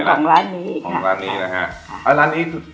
ของร้านนี้